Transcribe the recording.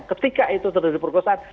ketika itu terjadi perkosaan